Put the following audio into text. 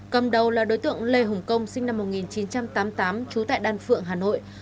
cầm đầu là đối tượng lê hùng công sinh năm một nghìn chín trăm tám mươi tám trú tại đan phượng hà nội